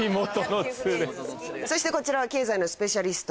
そしてこちらは経済のスペシャリスト